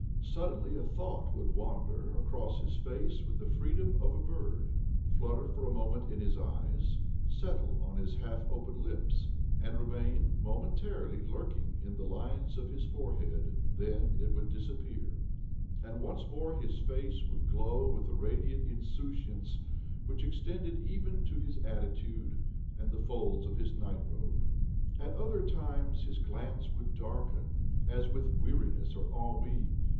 Suddenly a thought would wander across his face with the freedom of a bird, flutter for a moment in his eyes, settle on his half opened lips, and remain moihentarily lurking in the lines of his fore head. Then it would disappear, and once more his face would glow with a radiant insouciance which extended even to his atti tude and the folds of his night robe. At ' One of the principal streets of Petrograd. 8 OBLOMOV other times his glance would darken as with weariness or ennui.